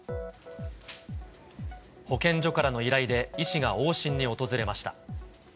保健所からの依頼で医師が往診に訪れました。